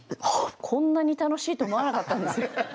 こんなに楽しいと思わなかったんですよ。